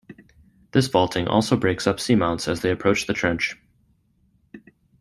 This faulting also breaks up seamounts as they approach the trench.